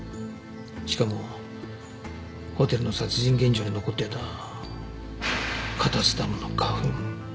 しかもホテルの殺人現場に残っていたカタセタムの花粉。